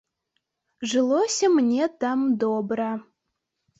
Жылося мне там добра.